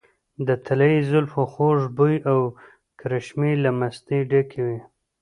د طلايي زلفو خوږ بوي او کرشمې له مستۍ ډکې وې .